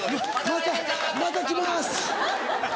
またまた来ます！